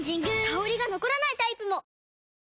香りが残らないタイプも！